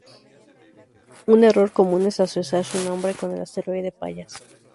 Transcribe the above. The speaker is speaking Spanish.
Un error común es asociar su nombre con el asteroide Pallas.